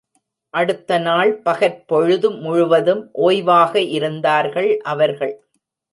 அடுத்த நாள் பகற்பொழுது முழுதும் ஒய்வாக இருந்தார்கள் அவர்கள்.